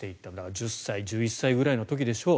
１０歳１１歳ぐらいの時でしょう